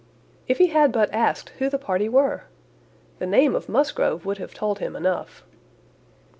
If he had but asked who the party were! The name of Musgrove would have told him enough.